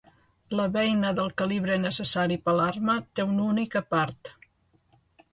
La beina del calibre necessari per a l'arma té una única part.